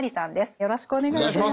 よろしくお願いします。